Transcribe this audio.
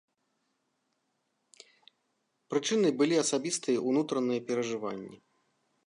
Прычынай былі асабістыя, унутраныя перажыванні.